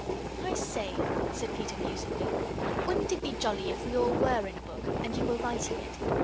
"I say," said Peter, musingly, "wouldn't it be jolly if we all WERE in a book, and you were writing it?